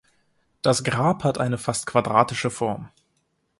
Das Grab hat eine fast quadratische Form.